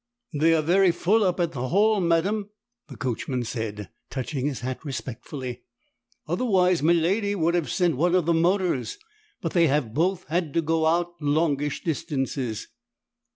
"They are very full up at the Hall, madam," the coachman said, touching his hat respectfully, "otherwise miladi would have sent one of the motors, but they have both had to go out longish distances."